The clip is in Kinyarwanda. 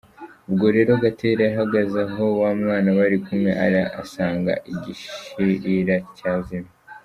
Ubwo rero Gatera yageze aho wa mwana bari kumwe ari, asanga igishirira cyazimye.